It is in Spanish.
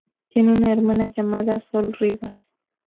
Tiene una hermana llamada Sol Rivas.